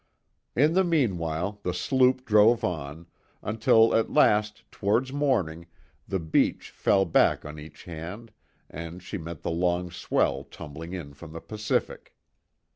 In the meanwhile, the sloop drove on, until at last towards morning the beach fell back on each hand and she met the long swell tumbling in from the Pacific.